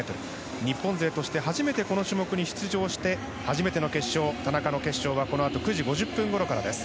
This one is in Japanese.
日本勢として初めてこの種目に出場して初めての田中の決勝はこのあと９時５０分ごろからです。